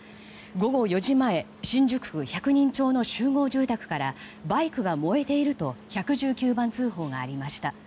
午後４時前新宿区百人町の集合住宅からバイクが燃えていると１１９番通報がありました。